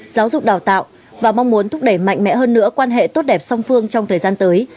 giáo dục đào tạo và mong muốn thúc đẩy mạnh mẽ hơn nữa quan hệ tốt đẹp song phương trong thời gian tới